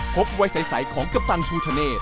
วัยใสของกัปตันภูทะเนธ